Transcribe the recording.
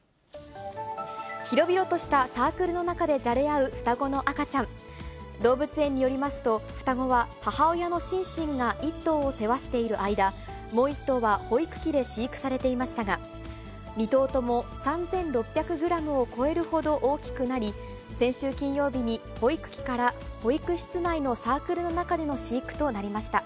広々としたサークルの中でじゃれ合う双子の赤ちゃん、動物園によりますと、双子は母親のシンシンが１頭を世話している間、もう１頭は保育器で飼育されていましたが、２頭とも３６００グラムを超えるほど大きくなり、先週金曜日に保育器から保育室内のサークルの中での飼育となりました。